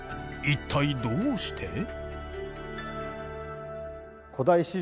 一体どうして？